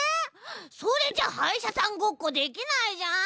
それじゃはいしゃさんごっこできないじゃん！